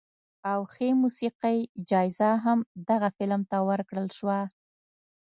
او ښې موسیقۍ جایزه هم دغه فلم ته ورکړل شوه.